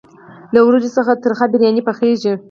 له وریجو څخه ترخه بریاني پخیږي.